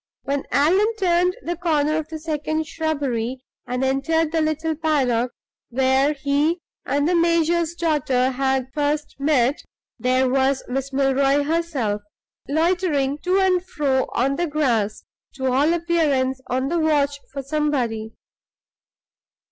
When Allan turned the corner of the second shrubbery, and entered the little paddock where he and the major's daughter had first met, there was Miss Milroy herself loitering to and fro on the grass, to all appearance on the watch for somebody.